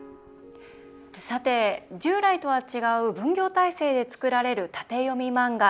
さて、従来とは違う分業体制で作られる縦読み漫画。